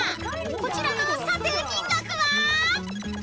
［こちらの査定金額は？］